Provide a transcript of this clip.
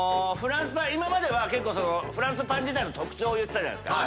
今まではフランスパン自体の特徴を言ってたじゃないですか。